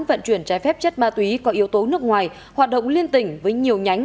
vận chuyển trái phép chất ma túy có yếu tố nước ngoài hoạt động liên tỉnh với nhiều nhánh